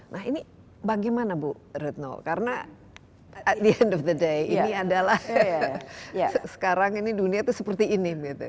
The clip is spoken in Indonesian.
nah ini bagaimana bu retno karena at the end of the day ini adalah sekarang ini dunia itu seperti ini